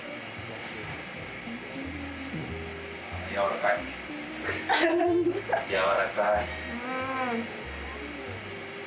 やわらかい。